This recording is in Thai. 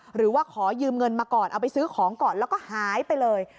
หรือว่าขอยืมเงินมาก่อนเอาไปซื้อของก่อนแล้วก็หายไปเลย